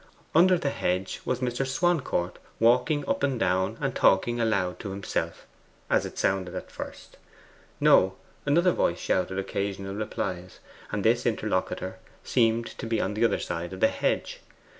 Under the hedge was Mr. Swancourt, walking up and down, and talking aloud to himself, as it sounded at first. No: another voice shouted occasional replies; and this interlocutor seemed to be on the other side of the hedge.